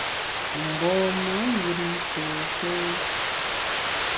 Mgbom-a yùm pôkéri.